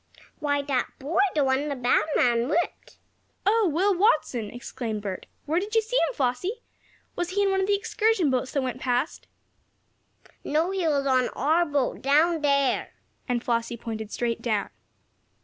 "Why, that boy the one the bad man whipped." "Oh, Will Watson!" exclaimed Bert. "Where did you see him, Flossie? Was he in one of the excursion boats that went past?" "No, he was on our boat down there," and Flossie pointed straight down.